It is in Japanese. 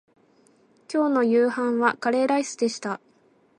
今日の夕飯はカレーライスでした